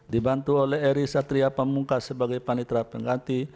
dibantu oleh eri satria pamungkas sebagai panitra pengganti